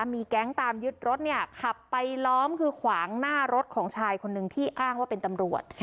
มีแก๊งตามยึดรถเนี่ยขับไปล้อมคือขวางหน้ารถของชายคนนึงที่อ้างว่าเป็นตำรวจ